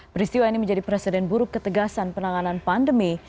peristiwa ini menjadi presiden buruk ketegasan penanganan pandemi